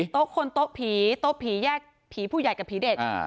โต๊ะคนโต๊ะผีโต๊ะผีแยกผีผู้ใหญ่กับผีเด็ก